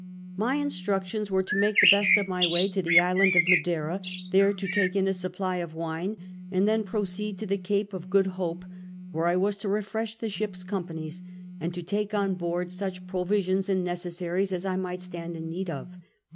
My instructions were to make the best of uiy way to the island of Madeira, there to take in a supply of wine, and then proceed to the Cape of Good Hope, where I was to refresh the ships* (join])anies and to take on board such pro visions and necessaries as I might stand in need of.